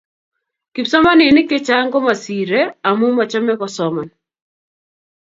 Kipsomanik chechang komasiri amu machome kosoman.